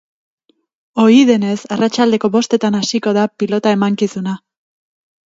Ohi denez, arratsaldeko bostetan hasiko da pilota emankizuna.